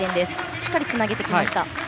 しっかりつなげてきました。